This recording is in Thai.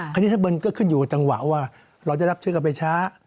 คันนี้ถ้ามันก็ขึ้นอยู่กับจังหวะว่าเราจะรับเชื้อกันไปช้า